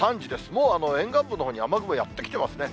もう沿岸部のほうに雨雲やって来てますね。